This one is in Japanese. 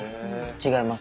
違います。